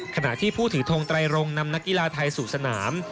ขณะที่ผู้ถือทงไตรรงนำนักกีฬาไทยสู่สนาม